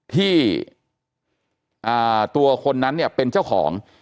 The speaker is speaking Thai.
ที่ตัวคนนั้นเนี่ยเป็นเจ้าของ